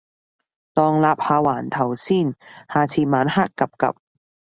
當立下環頭先，下次晚黑 𥄫𥄫